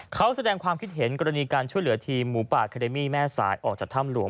เขาแสดงความคิดเห็นกรณีการช่วยเหลือทีมหมูป่าเคเดมี่แม่สายออกจากถ้ำหลวง